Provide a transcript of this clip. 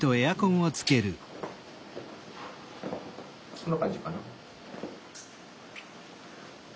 こんな感じかな。